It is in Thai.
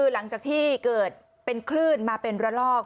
หลังจากที่เกิดเป็นคลื่นมาเป็นระลอก